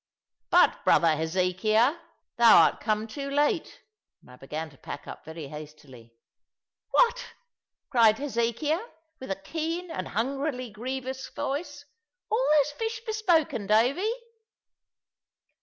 "But, brother Hezekiah, thou art come too late." And I began to pack up very hastily. "What!" cried Hezekiah, with a keen and hungrily grievous voice; "all those fish bespoken, Davy?"